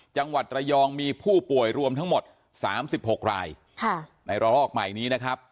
จังหวัดระยองมีผู้ป่วยรวมทั้งหมด๓๖รายในระลอกใหม่นี้นะครับ